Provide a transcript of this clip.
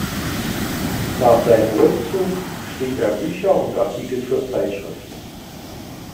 Nach seinem Rückzug schrieb er Bücher und Artikel für Zeitschriften.